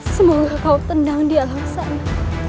semoga kau tenang di alam sana